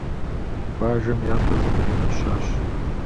Бажэм япэ зыкъригъэщащ.